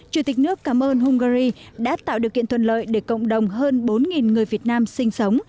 chủ tịch nước cảm ơn hungary đã tạo điều kiện thuận lợi để cộng đồng hơn bốn người việt nam sinh sống